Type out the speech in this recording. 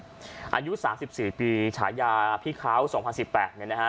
อายุ๓๔ปีฉายาพี่เขา๒๐๑๘เนี่ยนะฮะ